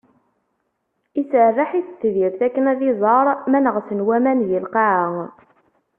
Iserreḥ i tetbirt akken ad iẓer ma neɣsen waman di lqaɛa.